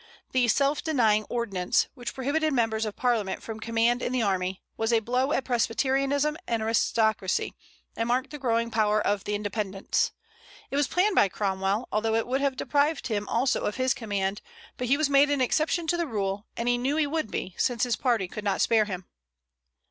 The "self denying ordinance," which prohibited members of Parliament from command in the army, was a blow at Presbyterianism and aristocracy, and marked the growing power of the Independents. It was planned by Cromwell, although it would have deprived him also of his command; but he was made an exception to the rule, and he knew he would be, since his party could not spare him.